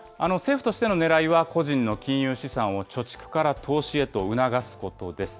政府としてのねらいは、個人の金融資産を貯蓄から投資へと促すことです。